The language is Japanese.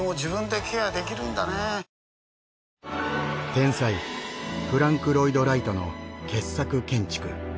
天才フランク・ロイド・ライトの傑作建築。